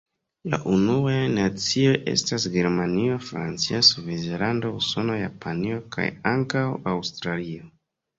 La unuaj nacioj estas Germanio, Francio, Svislando, Usono, Japanio kaj ankaŭ Aŭstralio.